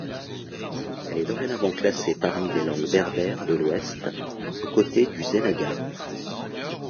Elle est dorénavant classée parmi les langues berbères de l'Ouest au coté du zenaga.